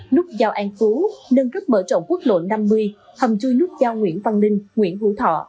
nút giao an phú nâng cấp mở rộng quốc lộ năm mươi hầm chui nút giao nguyễn văn ninh nguyễn hữu thọ